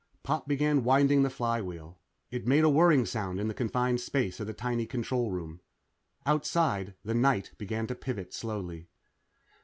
Pop began winding the flywheel. It made a whirring sound in the confined space of the tiny control room. Outside, the night began to pivot slowly.